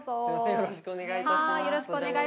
よろしくお願いします。